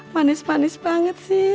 manis manis banget sih